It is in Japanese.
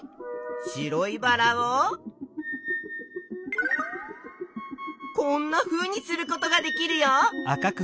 白いバラをこんなふうにすることができるよ！